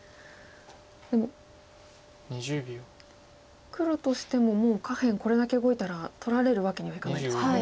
でも黒としてももう下辺これだけ動いたら取られるわけにはいかないですもんね。